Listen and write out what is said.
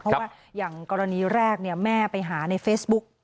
เพราะว่าอย่างกรณีแรกแม่ไปหาในเฟซบุ๊ก